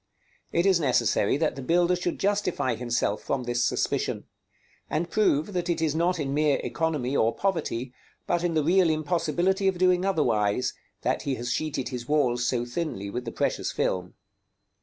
It is necessary that the builder should justify himself from this suspicion; and prove that it is not in mere economy or poverty, but in the real impossibility of doing otherwise, that he has sheeted his walls so thinly with the precious film.